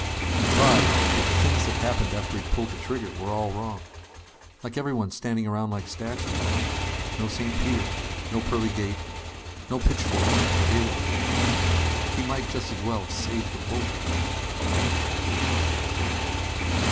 He tried, but the things that happened after he'd pulled the trigger were all wrong. Like everyone standing around like statues. No St. Peter, no pearly gate, no pitchforks or halos. He might just as well have saved the bullet!